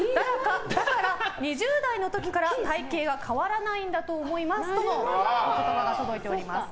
だから２０代の時から体形が変わらないんだと思いますと届いております。